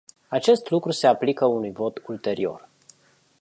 Acest lucru se aplică unui vot ulterior.